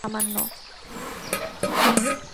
কিন্তু মিয়া মেয়েটার মধ্যে মন্দের ভাগ খুব সামান্য।